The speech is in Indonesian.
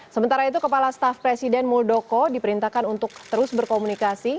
sementara itu kepala staf presiden muldoko diperintahkan untuk terus berkomunikasi